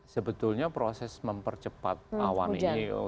sebetulnya proses mempercepat awan ini